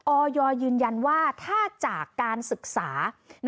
ออยยืนยันว่าถ้าจากการศึกษา